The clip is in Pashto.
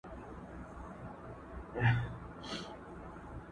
د یارۍ مثال د تېغ دی خلاصېدل ورڅخه ګران دي،